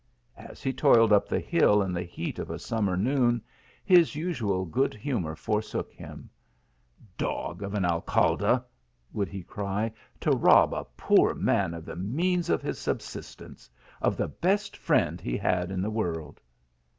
As he to. led up the hill in the heat of a summer noon his usual good humour forsook him. " Dog of an Al THE MOORS LEGACY. 109 ralcle !" would he cry, "to rob a poor man of the means of his subsistence of the best friend he had in the world